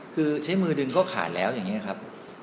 คือใช้มือดึงก็ขาดแล้วอย่างนี้ครับ